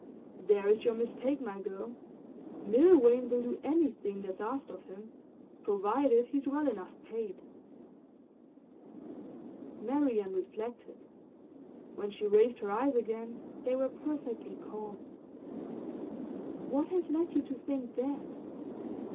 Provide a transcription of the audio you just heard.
'There is your mistake, my girl. Milvain will do anything that's asked of him, provided he's well enough paid.' Marian reflected. When she raised her eyes again they were perfectly calm. 'What has led you to think that?